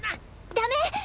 ダメ！